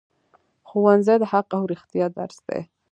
ښوونځی د حق او رښتیا درس دی